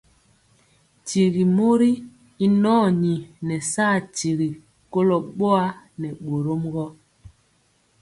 Tyigi mori y nɔni nɛ saa tiri kolo boa nɛ bórɔm gɔ.